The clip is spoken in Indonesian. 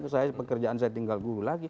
saya pekerjaan saya tinggal guru lagi